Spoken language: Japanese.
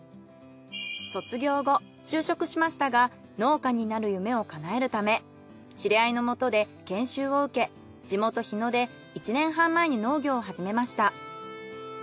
卒業後就職しましたが農家になる夢を叶えるため知り合いのもとで研修を受け地元日野で１年半前に農業を始めました。